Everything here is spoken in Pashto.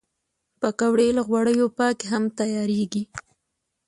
پکورې له غوړیو پاکې هم تیارېږي